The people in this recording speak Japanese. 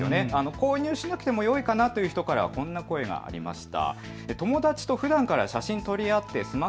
購入しなくてもよいかなという人からはこんな声がありました。